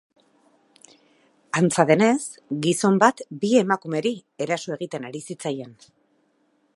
Antza denez, gizon bat bi emakumeri eraso egiten ari zitzaien.